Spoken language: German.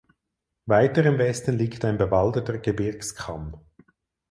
Weiter im Westen liegt ein bewaldeter Gebirgskamm.